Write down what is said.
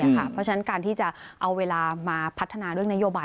เพราะฉะนั้นการที่จะเอาเวลามาพัฒนาเรื่องนโยบาย